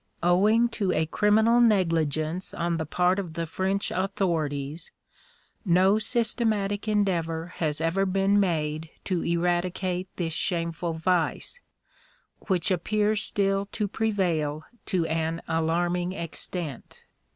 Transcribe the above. Owing to a criminal negligence on the part of the French authorities, no systematic endeavor has ever been made to eradicate this shameful vice, which appears still to prevail to an alarming extent.